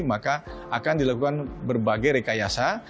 maka akan dilakukan berbagai rekayasa